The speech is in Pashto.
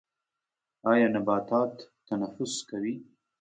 ایا نباتات تنفس کوي؟